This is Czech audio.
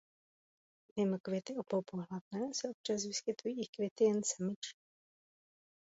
Mimo květy oboupohlavné se občas vyskytují i květy jen samičí.